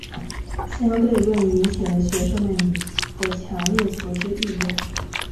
相对论引起了学生们的强烈求知意愿。